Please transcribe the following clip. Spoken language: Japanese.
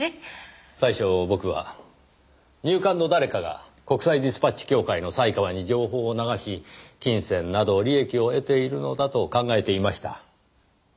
最初僕は入管の誰かが国際ディスパッチ協会の犀川に情報を流し金銭など利益を得ているのだと考えていました。